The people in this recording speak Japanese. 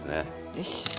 よし。